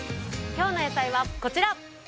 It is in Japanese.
今日の野菜はこちら。